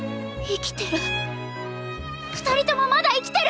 生きてる？